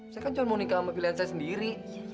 saya kan cuma mau nikah sama pilihan saya sendiri